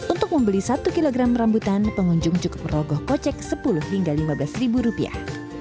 untuk membeli satu kg rambutan pengunjung cukup merogoh kocek sepuluh hingga lima belas ribu rupiah